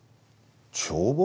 帳簿？